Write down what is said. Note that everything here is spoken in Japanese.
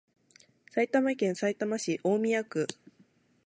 埼玉県さいたま市大宮区